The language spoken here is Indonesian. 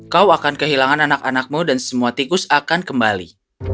kau akan kehilangan anak anakmu dan semua tikus akan kembali